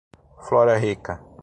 Flora Rica